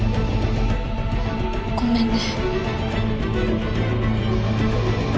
ごめんね。